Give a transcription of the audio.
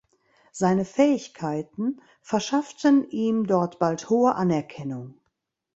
Seine Fähigkeiten verschafften ihm dort bald hohe Anerkennung.